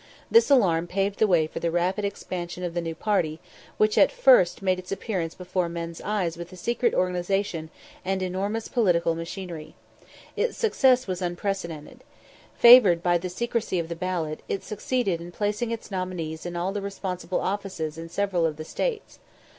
This alarm paved the way for the rapid extension of the new party, which first made its appearance before men's eyes with a secret organization and enormous political machinery. Its success was unprecedented. Favoured by the secresy of the ballot, it succeeded in placing its nominees in all the responsible offices in several of the States.